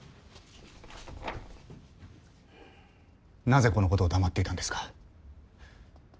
なぜこのことを黙っていたんですか？